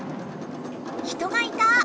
人がいた！